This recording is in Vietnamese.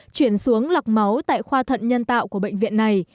chuyển xuống lọc máu tại khoa thận nhân tạo của bệnh viện này